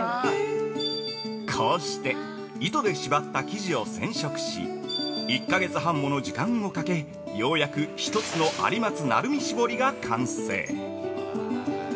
◆こうして糸で縛った生地を染色し、１か月半もの時間をかけようやく１つの「有松・鳴海絞り」が完成。